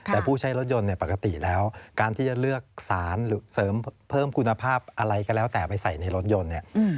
แต่ผู้ใช้รถยนต์เนี่ยปกติแล้วการที่จะเลือกสารหรือเสริมเพิ่มคุณภาพอะไรก็แล้วแต่ไปใส่ในรถยนต์เนี่ย